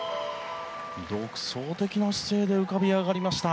独創的な姿勢で浮かび上がりました。